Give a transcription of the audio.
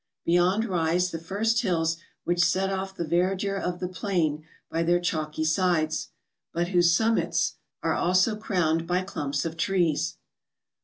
Beyond rise tlie first hills which set off the verdure of the plain by their chalky sides ; but whose summits are also crowned by clumps of trees.